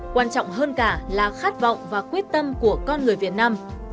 quan trọng hơn cả là khát vọng và quyết tâm của con người việt nam